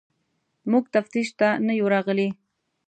موږ تفتیش ته نه یو راغلي.